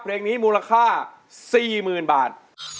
เพลงนี้มูลค่า๔๐๐๐บาท